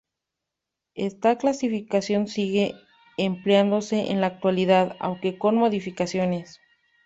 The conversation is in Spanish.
Esta clasificación sigue empleándose en la actualidad, aunque con modificaciones.